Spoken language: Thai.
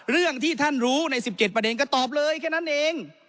เรื่องที่ท่านรู้ใน๑๗ประเด็นก็ตอบเลยแค่นั้นเอง